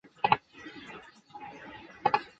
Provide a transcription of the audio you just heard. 当选后并没有加入娱乐圈或签约无线电视。